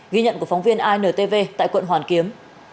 ghi nhận của phóng viên intv tại quận hoàn kiếm